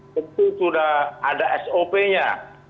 tentu sudah ada sop nya